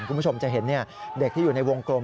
คุณผู้ชมจะเห็นเด็กที่อยู่ในวงกลม